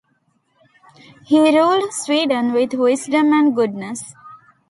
He ruled Sweden with wisdom and goodness.